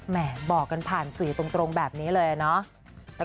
บอกกันผ่านสื่อตรงแบบนี้เลยเนาะ